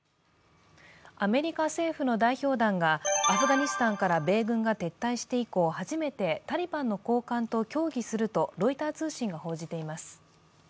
アメリカ政府の代表団がアフガニスタンから米軍が撤退して以降、初めてタリバンの高官と協議するとロイター通信が報じています。